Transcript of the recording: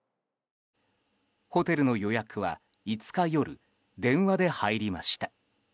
ホテルの予約は５日夜電話で入りました。